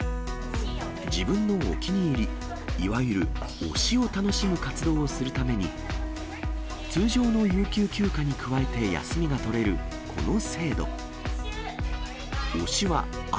自分のお気に入り、いわゆる推しを楽しむ活動をするために、通常の有給休暇に加えて休みが取れる、この制度。